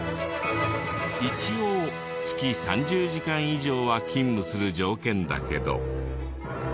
一応月３０時間以上は勤務する条件だけど。